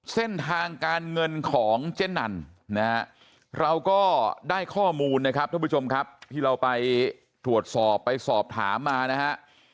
เส้นทางการเงินของเจ๊นันนะฮะเราก็ได้ข้อมูลนะครับท่านผู้ชมครับที่เราไปตรวจสอบไปสอบถามมานะฮะ